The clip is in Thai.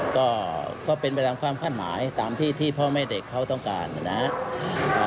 ก็ก็เป็นไปตามความคาดหมายตามที่ที่พ่อแม่เด็กเขาต้องการนะครับ